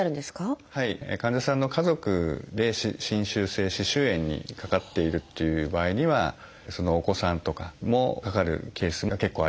患者さんの家族で侵襲性歯周炎にかかっているっていう場合にはそのお子さんとかもかかるケースが結構あります。